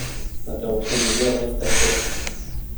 L’intervention majeure reste à faire.